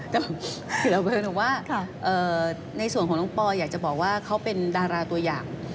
แต่เบิร์นบอกว่าในส่วนของน้องปอยอยากจะบอกว่าเขาเป็นดาราตัวอย่าง